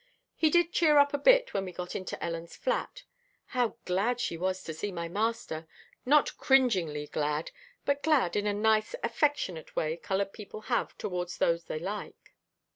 He did cheer up a bit, when we got into Ellen's flat. How glad she was to see my master. Not cringingly glad, but glad in the nice, affectionate way coloured people have toward those they like.